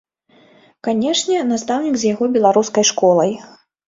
Канешне, настаўнік з яго беларускай школай.